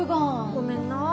ごめんな。